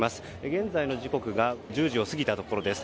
現在の時刻が１０時を過ぎたところです。